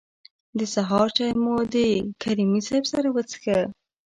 د سهار چای مو د کریمي صیب سره وڅښه.